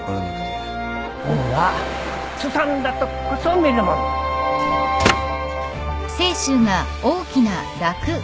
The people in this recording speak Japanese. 海んはすさんだとっこそ見るもんぞ。